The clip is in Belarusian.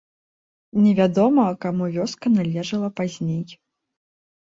Невядома, каму вёска належала пазней.